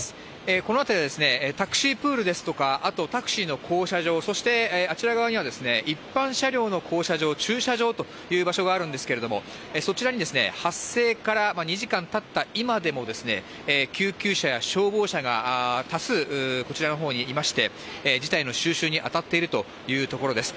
この辺りはタクシープールですとか、あとタクシーの降車場、あちら側には一般車両の降車場、駐車場という場所があるんですけれども、そちらに発生から２時間たった今でも、救急車や消防車が多数こちらのほうにいまして、事態の収拾に当たっているというところです。